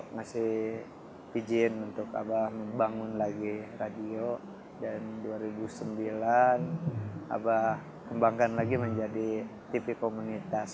ngasih izin untuk abah membangun lagi radio dan dua ribu sembilan abah kembangkan lagi menjadi tv komunitas